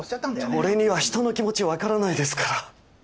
俺には人の気持ち分からないですから。